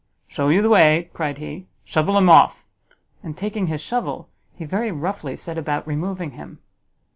"Shew you the way," cried he, "shovel him off." And taking his shovel, he very roughly set about removing him.